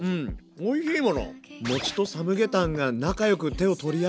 おいしいもの！